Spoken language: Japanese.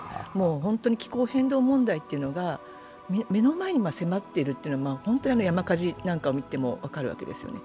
本当に気候変動問題が目の前に迫っているということは山火事などを見ても分かるわけですよね。